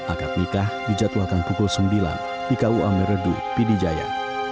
akad nikah dijadwalkan pukul sembilan di ku ameredu pidi jaya